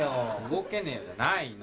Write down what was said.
「動けねえ」じゃないの。